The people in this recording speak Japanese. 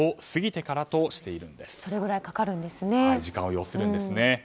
時間がかかるんですね。